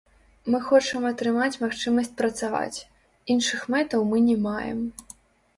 Мы хочам атрымаць магчымасць працаваць, іншых мэтаў мы не маем.